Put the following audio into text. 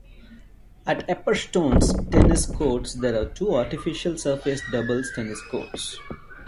At Epperstone's tennis courts there are two artificial-surface doubles tennis courts.